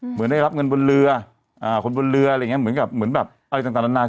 เหมือนได้รับเงินบนเรือคนบนเรืออะไรอย่างเงี้เหมือนกับเหมือนแบบอะไรต่างนาน